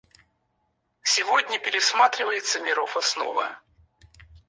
Сегодня пересматривается миров основа.